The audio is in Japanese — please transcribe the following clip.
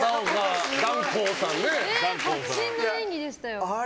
迫真の演技でしたよ。